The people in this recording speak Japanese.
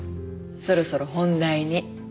そろそろ本題に。